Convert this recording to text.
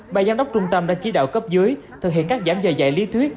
bà giám đốc trung tâm đã chỉ đạo cấp dưới thực hiện các giảm giờ dạy lý thuyết